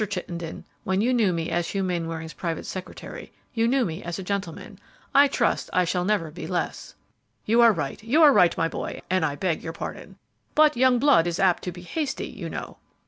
Chittenden, when you knew me as Hugh Mainwaring's private secretary, you knew me as a gentleman; I trust I shall never be less." "You are right, you are right, my boy, and I beg your pardon; but young blood is apt to be hasty, you know."